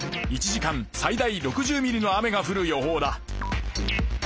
１時間最大６０ミリの雨が降る予ほうだ。